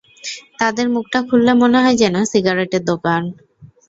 তাদের মুখটা খুললে মনে হয় যেন সিগারেটের দোকান!